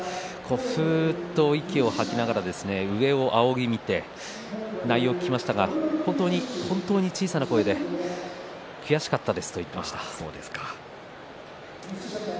ふうっと息を吐きながら上を仰ぎ見て内容を聞きましたが本当に本当に小さな声で悔しかったですと言ってました。